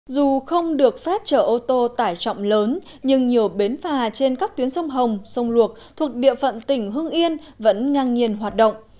dù không được phép chở ô tô tải trọng lớn nhưng nhiều bến phà trên các tuyến sông hồng sông luộc thuộc địa phận tỉnh hưng yên vẫn ngang nhiên hoạt động